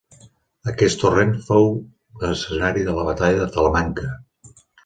Aquest torrent fou escenari de la Batalla de Talamanca.